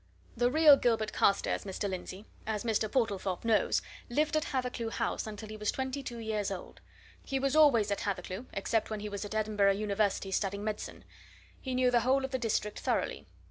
The real Gilbert Carstairs, Mr. Lindsey, as Mr. Portlethorpe knows, lived at Hathercleugh House until he was twenty two years old. He was always at Hathercleugh, except when he was at Edinburgh University studying medicine. He knew the whole of the district thoroughly.